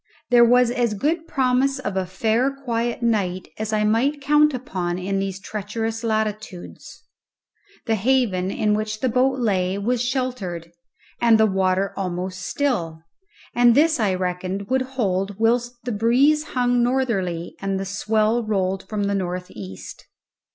There was as good promise of a fair quiet night as I might count upon in these treacherous latitudes; the haven in which the boat lay was sheltered and the water almost still, and this I reckoned would hold whilst the breeze hung northerly and the swell rolled from the north east.